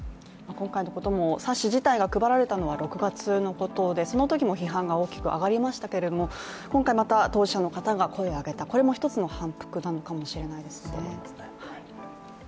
今回のことも冊子自体が配られたのは６月のことでそのときも批判が多く上がりましたけれども、今回、また当事者の方が声を上げた、これも一つの反復なのかもしれないですね。